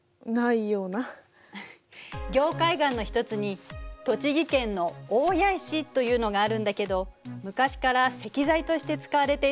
凝灰岩の一つに栃木県の大谷石というのがあるんだけど昔から石材として使われていることで有名ね。